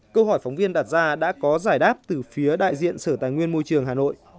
câu hỏi phóng viên đặt ra đã có giải đáp từ phía đại diện sở tài nguyên môi trường hà nội